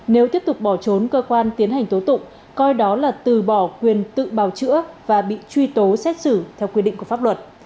nếu tiếp tục bỏ trốn cơ quan tiến hành tố tụng coi đó là từ bỏ quyền tự bào chữa và bị truy tố xét xử theo quy định của pháp luật